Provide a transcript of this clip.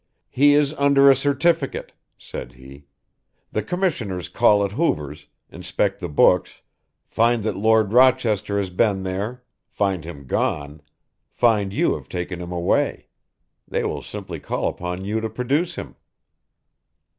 "He is under a certificate," said he. "The Commissioners call at Hoover's, inspect the books, find that Lord Rochester has been there, find him gone, find you have taken him away. They will simply call upon you to produce him."